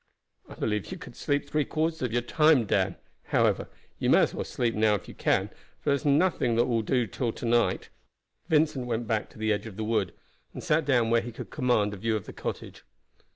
"I believe you could sleep three quarters of your time, Dan. However, you may as well sleep now if you can, for there will be nothing to do till night." Vincent went back to the edge of the wood, and sat down where he could command a view of the cottage.